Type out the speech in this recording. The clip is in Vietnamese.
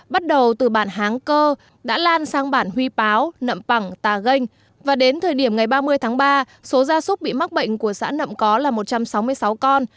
bắt đầu từ bản háng cơ đã lan sang bản huy báo nậm pẳng tà ganh và đến thời điểm ngày ba mươi tháng ba số gia súc bị mắc bệnh của xã nậm có là một trăm sáu mươi sáu con